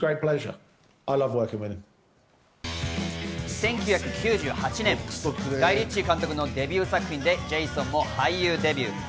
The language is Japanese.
１９９８年、ガイ・リッチー監督のデビュー作品でジェイソンも俳優デビュー。